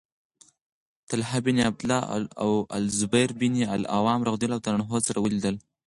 طلحة بن عبد الله او الزبير بن العوام رضي الله عنهما سره ولیدل